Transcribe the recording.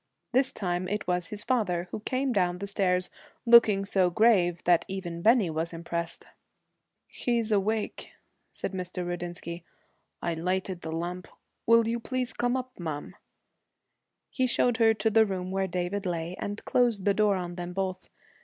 This time it was his father, who came down the stairs, looking so grave that even Bennie was impressed. 'He's awake,' said Mr. Rudinsky. 'I lighted the lamp. Will you please come up, ma'am?' He showed her to the room where David lay, and closed the door on them both.